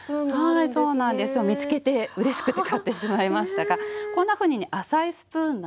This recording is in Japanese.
はいそうなんですよ。見つけてうれしくて買ってしまいましたがこんなふうにね浅いスプーンなんです。